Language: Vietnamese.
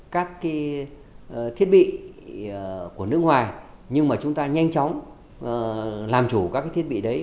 các thiết bị của nước ngoài nhưng mà chúng ta nhanh chóng làm chủ các thiết bị đấy